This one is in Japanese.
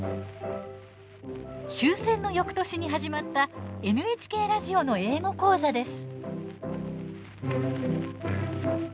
終戦のよくとしに始まったＮＨＫラジオの英語講座です。